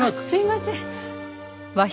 すいません。